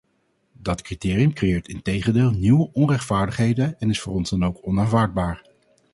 Dat criterium creëert integendeel nieuwe onrechtvaardigheden en is voor ons dan ook onaanvaardbaar.